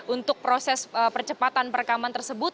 untuk proses percepatan perekaman tersebut